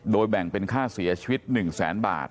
โดยแบ่งเป็นค่าเสียชีวิต๑แสนบาท